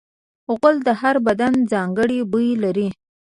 غول د هر بدن ځانګړی بوی لري.